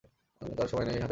আর সময় নেই হাতে, কর্নেল।